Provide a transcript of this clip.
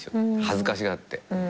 恥ずかしがって。